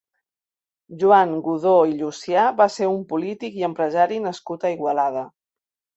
Joan Godó i Llucià va ser un polític i empresari nascut a Igualada.